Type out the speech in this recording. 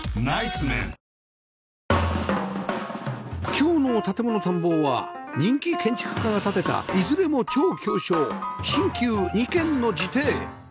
今日の『建もの探訪』は人気建築家が建てたいずれも超狭小新旧２軒の自邸